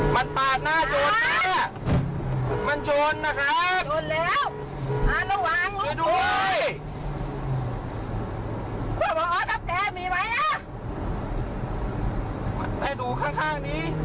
มันปาดหน้าโจรนะ